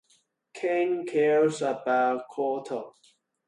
Cain cares about Corto.